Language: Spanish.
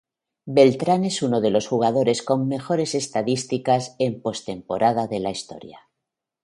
Beltrán es uno de los jugadores con mejores estadísticas en postemporada de la historia.